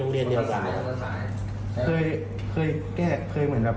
โรงเรียนเดียวกันครับคือเคยคือแก้เคยเหมือนแบบ